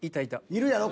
いるやろ？